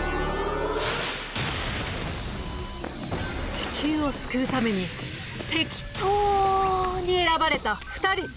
地球を救うためにてきとうに選ばれた２人。